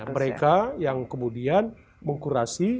mereka yang kemudian mengkurasi